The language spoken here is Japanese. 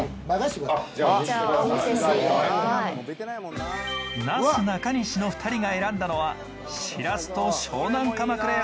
なすなかにしの２人が選んだのはしらすと湘南鎌倉